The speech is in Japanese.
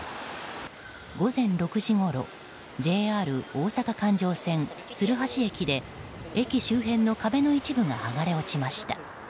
午前６時ごろＪＲ大阪環状線鶴橋駅で駅周辺の壁の一部が剥がれ落ちました。